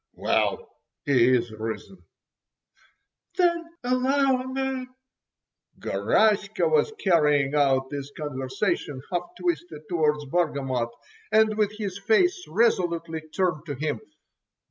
"Well, He is risen." "Then allow me——" Garaska was carrying on this conversation half twisted towards Bargamot, and with his face resolutely turned to him.